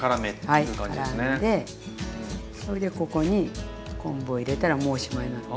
はいからんでそれでここに昆布を入れたらもうおしまいなの。